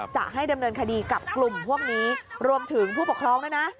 จะให้ดำเนินคดีกับกลุ่มพวกนี้รวมถึงผู้ปกครองด้วยนะ